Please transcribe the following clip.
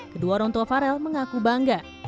kedua orang tua farel mengaku bangga